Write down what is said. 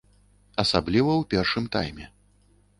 Асабліва ў першым тайме.